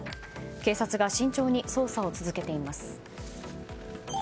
警察が慎重に捜査を続けています。